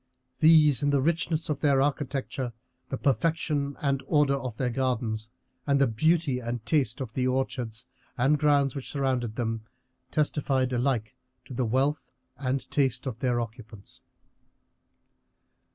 These in the richness of their architecture, the perfection and order of their gardens, and the beauty and taste of the orchards and grounds which surrounded them, testified alike to the wealth and taste of their occupants.